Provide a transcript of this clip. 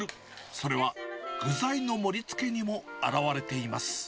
それは具材の盛りつけにも表れています。